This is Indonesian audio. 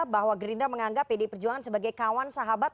bahwa gerindra menganggap pdi perjuangan sebagai kawan sahabat